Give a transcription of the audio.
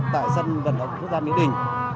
tại sân vận động quốc gia mỹ đình